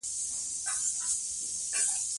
ماشومان د لوبو ترڅنګ زده کړه هم کوي